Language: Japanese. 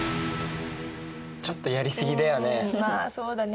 ちょっとやりすぎだよね。